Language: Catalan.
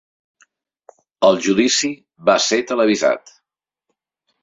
El judici va ser televisat.